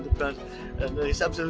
dia benar benar benar